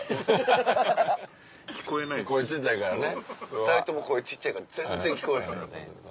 ２人とも声小っちゃいから全然聞こえへん。